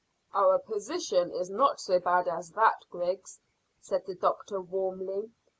"Our position is not so bad as that, Griggs," said the doctor warmly.